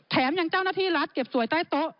แถมยังเจ้าหน้าที่รัฐเก็บสวยใต้โต๊ะ